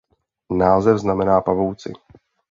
Název znamená "pavouci".